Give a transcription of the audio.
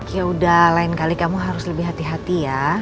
yaudah lain kali kamu harus lebih hati hati ya